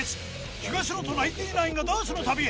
東野とナインティナインがダーツの旅へ